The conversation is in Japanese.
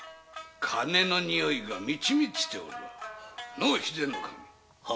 金のにおいが満ち満ちておるのぅ。はぃ。